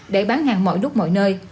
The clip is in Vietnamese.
để bán hàng mọi lúc mọi nơi